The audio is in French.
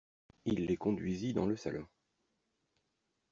Il les conduisit dans le salon.